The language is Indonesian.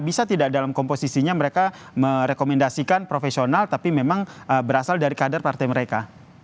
bisa tidak dalam komposisinya mereka merekomendasikan profesional tapi memang berasal dari kader partai mereka